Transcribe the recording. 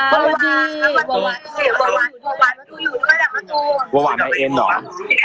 วาวาวาวาวาไนเต้นหรอ